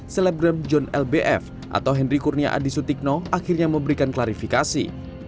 selebgram john lbf atau henry kurnia adi sutikno akhirnya memberikan klarifikasi